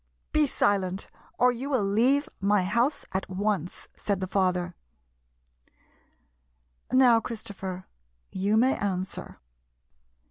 " Be silent, or you will leave my house at once," said the father. " Now, Christopher, you may answer."